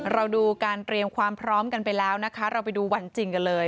เราดูการเตรียมความพร้อมกันไปแล้วนะคะเราไปดูวันจริงกันเลย